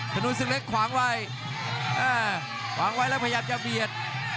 ถนนศึกเล็กขวางไว้ขวางไว้แล้วพยายามจะเบียด